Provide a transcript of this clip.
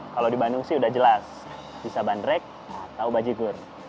kalau di bandung sih udah jelas bisa bandrek atau bajigur